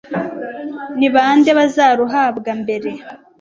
Ni bande bazaruhabwa mbere